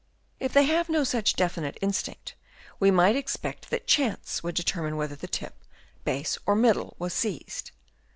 If they have no such definite instinct, we might expect that chance would determine whether the tip, base or middle was seized.